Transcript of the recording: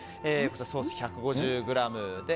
ソース１５０ｇです。